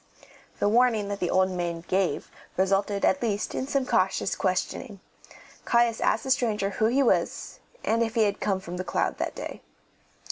The warning that the old maid gave resulted at least in some cautious questioning. Caius asked the stranger who he was, and if he had come from The Cloud that day.